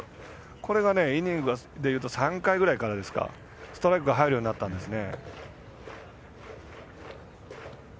これがイニングでいうと３回ぐらいからストライクが入るようになったんですね。